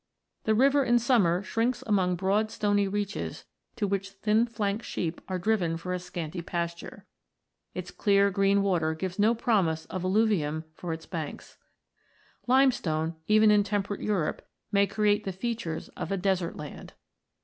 The river in summer shrinks among broad stony reaches, to which thin flanked ii] THE LIMESTONES 53 sheep are driven for a scanty pasture. Its clear green water gives no promise of alluvium for its banks. Limestone, even in temperate Europe, may create the features of a desert land.